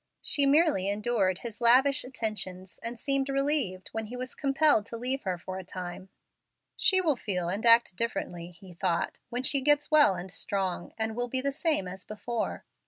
She merely endured his lavish attentions, and seemed relieved when he was compelled to leave her for a time. "She will feel and act differently," he thought, "when she gets well and strong, and will be the same as before."